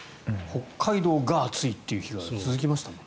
北海道が暑い日というのが続きましたね。